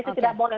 itu tidak boleh